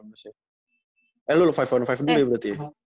eh lu lima on lima dulu ya berarti ya